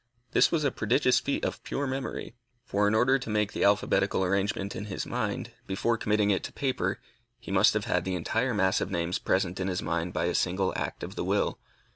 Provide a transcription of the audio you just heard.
This was a prodigious feat of pure memory; for in order to make the alphabetical arrangement in his mind, before committing it to paper, he must have had the entire mass of names present in his mind by a single act of the will.